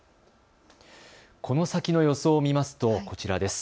この先の予想を見ますとこちらです。